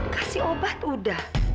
kasih obat udah